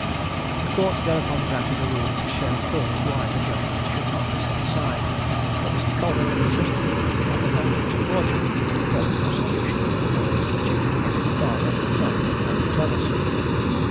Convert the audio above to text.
The Court thereupon granted a rule to show cause why the judgment should not be set aside; but Mr. Coleman insisting that the note was a forgery, the present prosecution was instituted against the father, son, and Thomas.